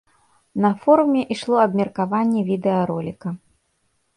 На форуме ішло абмеркаванне відэароліка.